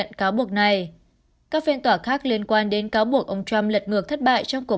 tổng thống này các phiên tòa khác liên quan đến cáo buộc ông trump lật ngược thất bại trong cuộc